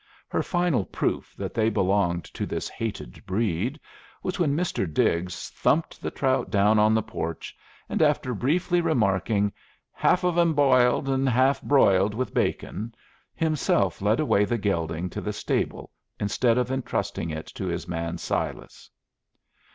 Her final proof that they belonged to this hated breed was when Mr. Diggs thumped the trout down on the porch, and after briefly remarking, "Half of 'em boiled, and half broiled with bacon," himself led away the gelding to the stable instead of intrusting it to his man Silas.